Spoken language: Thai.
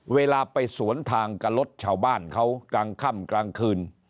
เวลาไปสวนทางกับรถชาวบ้านเขากลางค่ำกลางคืน